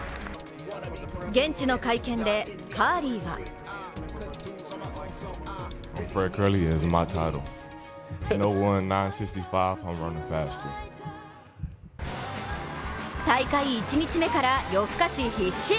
現地の会見で、カーリーは大会１日目から夜更かし必至。